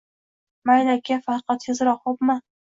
Mayli, aka, faqat tezroq, xo`pmi